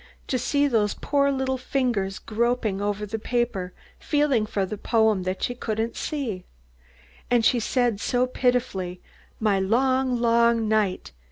"To see those poor little fingers groping over the paper feeling for the poem that she couldn't see. And she said so pitifully, 'My long, long night!